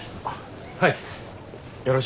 はい。